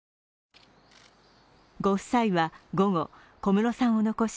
ご夫妻は午後、小室さんを残し